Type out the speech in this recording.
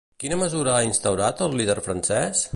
Quina mesura ha instaurat el líder francès?